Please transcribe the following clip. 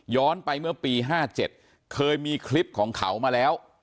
ย้อนไปเมื่อปีห้าเจ็ดเคยมีคลิปของเขามาแล้ว